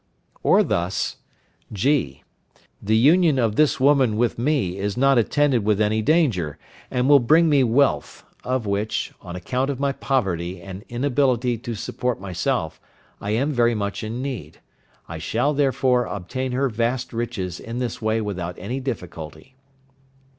Or thus: (g). The union of this woman with me is not attended with any danger, and will bring me wealth, of which, on account of my poverty and inability to support myself, I am very much in need. I shall, therefore, obtain her vast riches in this way without any difficulty.